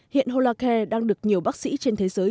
hiện holacare đang được nhiều bác sĩ trên thế giới